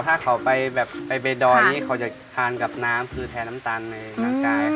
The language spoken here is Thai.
ถ้าเขาไปวีดอลจะทานมากับน้ำคือแทนน้ำตาลในกลางกายครับ